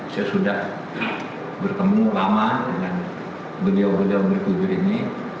saya sudah bertemu lama dengan beliau beliau bertujuh ini